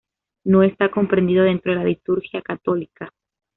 No está comprendido dentro de la liturgia católica.